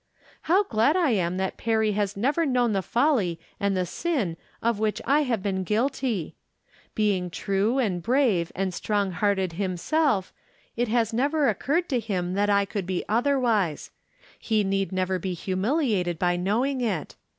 How glad I am that Perry has never known the folly imd the sin of which I have been guilty ! Being true and brave and strong hearted him self, it has never occurred to him that I could be otherwise. He need never be humiliated by knowing it.